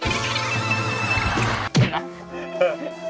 ได้นะ